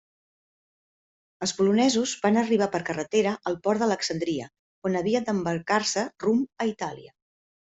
Els polonesos van arribar per carretera al port d'Alexandria, on havien d'embarcar-se rumb a Itàlia.